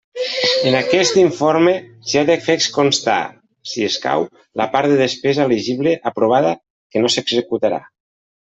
En aquest informe s'hi ha de fer constar, si escau, la part de despesa elegible aprovada que no s'executarà.